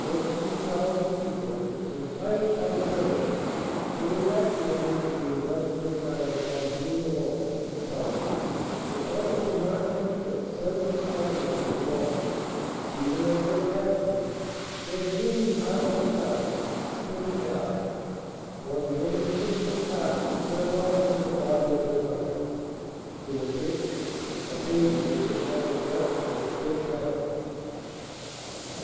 Fourteen thousand people, its entire popula tion, were evacuated from the industrial town of Anzin alone, he tells us, and ordered to march on foot seventy kilometres to Mons. Even as they passed him, their journey hardly started, twenty died. One women pushed her cart whereon lay the body of her husband. In a ditch a baby lived upon the breast of its dead mother.